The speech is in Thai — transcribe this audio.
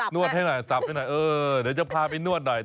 วดให้หน่อยสับให้หน่อยเออเดี๋ยวจะพาไปนวดหน่อย